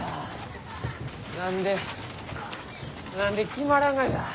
何で何で決まらんがじゃ。